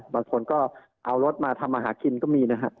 บางคนก็เอารถมาทำอาหารกินก็มีนะฮะ